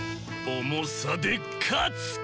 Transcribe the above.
おもさでかつ！